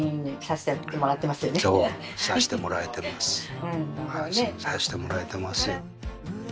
そうさしてもらえてます。